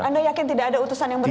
anda yakin tidak ada utusan yang benar